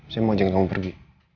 saya mau ajak kamu pergi